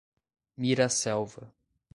Miraselva